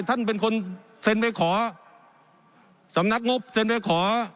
ท่านเป็นคนเซ็นไปขอสำนักงบเซ็นไปขอ